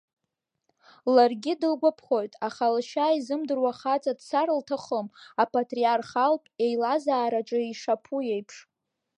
Ларгьы дылгәаԥхоит, аха лашьа изымдыруа хаҵа дцар лҭахым апатриархалтә еилазаараҿы ишаԥу еиԥш.